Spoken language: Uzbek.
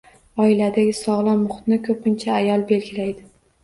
Oiladagi sog‘lom muhitni ko‘pincha ayol belgilaydi